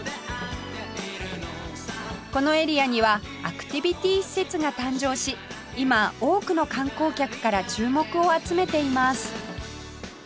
このエリアにはアクティビティ施設が誕生し今多くの観光客から注目を集めています